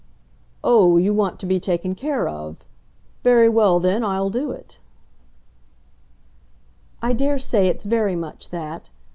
"Oh, you want to be taken care of. Very well then, I'll do it." "I dare say it's very much that.